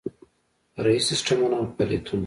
فرعي سیسټمونه او فعالیتونه